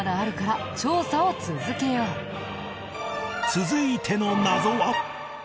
続いての謎は